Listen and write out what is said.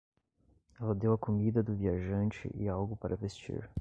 Ela deu a comida do viajante e algo para vestir.